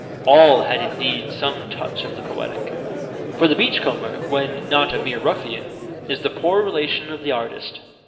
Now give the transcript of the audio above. All had indeed some touch of the poetic; for the beach comber, when not a mere ruffian, is the poor relation of the artist.